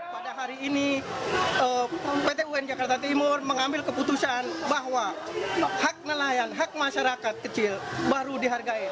pada hari ini pt un jakarta timur mengambil keputusan bahwa hak nelayan hak masyarakat kecil baru dihargai